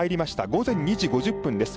午前２時５０分です。